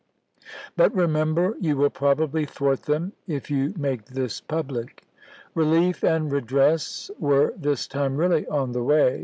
But, remember, you "^"^Ms!^^^' will probably thwart them if you make this public." Eelief and redress were this time really on the way.